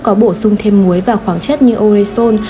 có bổ sung thêm muối và khoảng chất như oresol